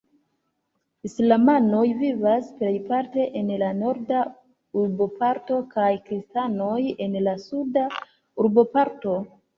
Islamanoj vivas plejparte en la norda urboparto kaj kristanoj en la suda urboparto.